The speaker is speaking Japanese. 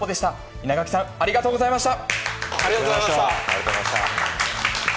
稲垣さん、ありがとうございました。